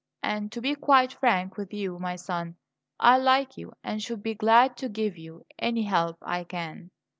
And, to be quite frank with you, my son, I like you, and should be glad to give you any help I can."